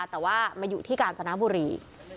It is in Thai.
แต่ว่ามาอยู่ที่กาญจนบุรี